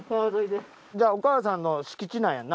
じゃお母さんの敷地なんやな？